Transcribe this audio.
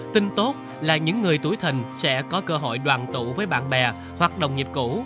tin tốt là những người tuổi thình sẽ có cơ hội đoàn tụ với bạn bè hoặc đồng nghiệp cũ